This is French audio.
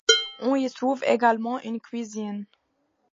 On y trouve également une cuisine.